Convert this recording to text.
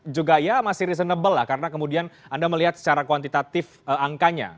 juga ya masih reasonable lah karena kemudian anda melihat secara kuantitatif angkanya